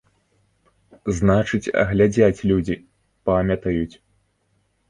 Значыць, глядзяць людзі, памятаюць.